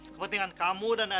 kepentingan kamu dan anang ini